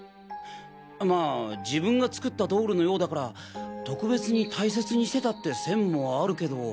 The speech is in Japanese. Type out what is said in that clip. まあ自分が作った人形のようだから特別に大切にしてたって線もあるけど。